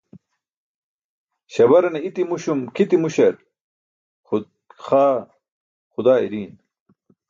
Śabarane i̇ti̇ muśum kʰiti muśar xaa xudaa iri̇i̇n.